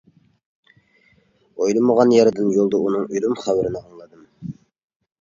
ئويلىمىغان يەردىن يولدا ئۇنىڭ ئۆلۈم خەۋىرىنى ئاڭلىدىم.